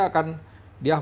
jadi kalau kegemukan dia akan